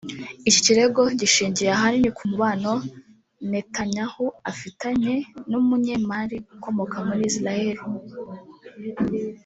Iki kirego gishingiye ahanini ku mubano Netanyahu afitanye n’umunyemari ukomoka muri Israel